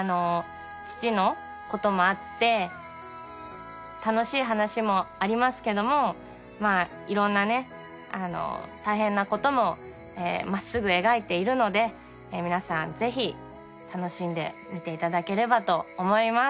父のこともあって楽しい話もありますけどもいろんなね大変なことも真っすぐ描いているので皆さんぜひ楽しんで見ていただければと思います。